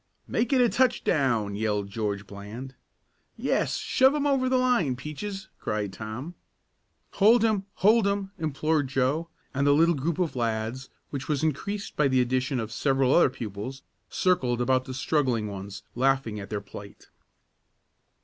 "Make it a touchdown!" yelled George Bland. "Yes, shove him over the line, Peaches!" cried Tom. "Hold him! Hold him!" implored Joe, and the little group of lads, which was increased by the addition of several other pupils, circled about the struggling ones, laughing at their plight.